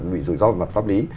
bị rủi ro về mặt pháp lý